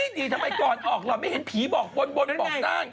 ดีทำไมก่อนออกหล่อนไม่เห็นผีบอกบนบอกด้าน